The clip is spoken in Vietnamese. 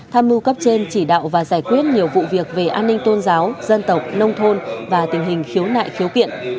tham mưu cấp trên chỉ đạo và giải quyết nhiều vụ việc về an ninh tôn giáo dân tộc nông thôn và tình hình khiếu nại khiếu kiện